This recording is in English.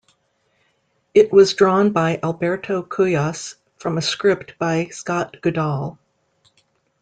It was drawn by Alberto Cuyas from a script by Scott Goodall.